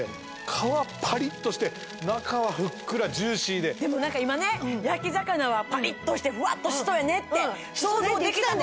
皮パリッとして中はふっくらジューシーででもなんか今ね焼き魚はパリッとしてふわっとしそうやねって想像できたもん